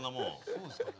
そうですかね？